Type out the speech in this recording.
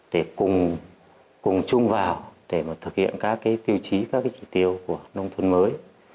để cùng chung vào để thực hiện các tiêu chí các kỷ tiêu của nông thuân mới